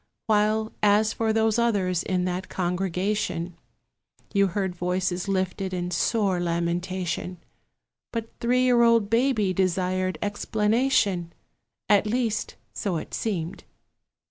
While, as for those others in that congregation, You heard voices lifted in sore lamentation; But three year old Baby desired explanation: At least, so it seemed.